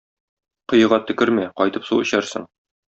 Коега төкермә, кайтып су эчәрсең.